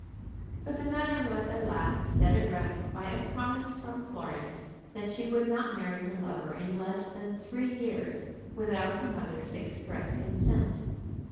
But the matter was at last set at rest by a promise from Florence that she would not marry her lover in less than three years without her mother's express consent.